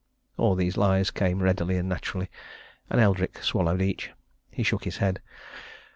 All these lies came readily and naturally and Eldrick swallowed each. He shook his head.